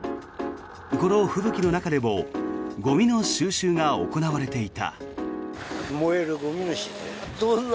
この吹雪の中でもゴミの収集が行われていた。